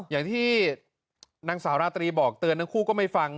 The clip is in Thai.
อย่างที่นางสาวราตรีบอกเตือนทั้งคู่ก็ไม่ฟัง